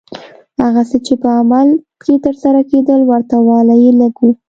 هغه څه چې په عمل کې ترسره کېدل ورته والی یې لږ و.